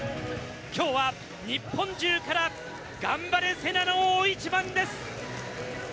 きょうは日本中から頑張れ聖奈の大一番です。